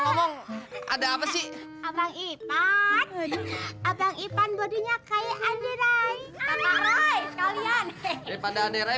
mereka pedisi ini